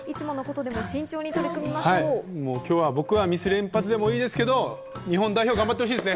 今日はミス連発でもいいですけれども、日本代表頑張ってほしいですね。